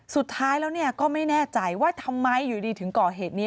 สุดท้ายแล้วก็ไม่แน่ใจว่าทำไมอยู่ดีถึงก่อเหตุนี้